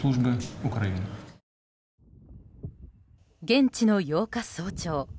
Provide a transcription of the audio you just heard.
現地の８日早朝